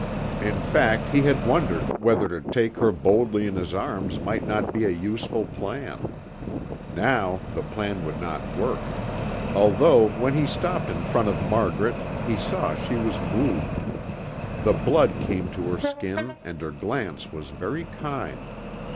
In fact, he had wondered whether to take her boldly in his arms might not be a useful plan. Now the plan would not work; although when he stopped in front of Margaret he saw she was moved. The blood came to her skin and her glance was very kind.